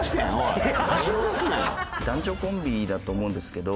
男女コンビだと思うんですけど。